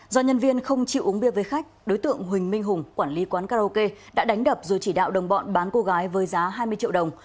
do nhân viên không chịu uống bia với khách đối tượng huỳnh minh hùng quản lý quán karaoke đã đánh đập rồi chỉ đạo đồng bọn bán cô gái với giá hai mươi triệu đồng